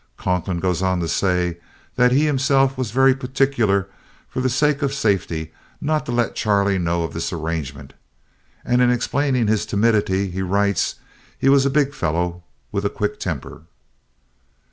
Conklin goes on to say that he himself was very particular for the sake of safety not to let Charlie know of this arrangement. And in explaining his timidity, he writes, "He was a big fellow with a quick temper."